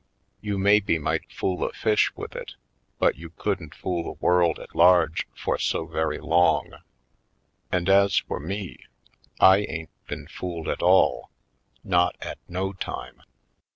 You maybe might fool a fish with it but you couldn't fool the world at large for so very long. And as for me, I ain't been fooled at all, not at no time.